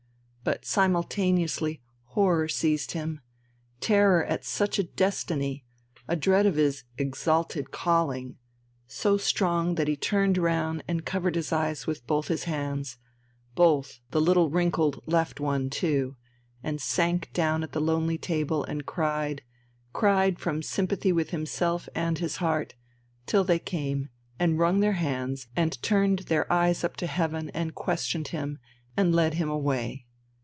But simultaneously horror seized him, terror at such a destiny, a dread of his "exalted calling," so strong that he turned round and covered his eyes with both his hands both, the little wrinkled left one too and sank down at the lonely table and cried, cried from sympathy with himself and his heart till they came, and wrung their hands and turned their eyes up to heaven and questioned him, and led him away....